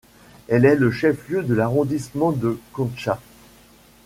Elle est le chef-lieu de l'arrondissement de Kontcha.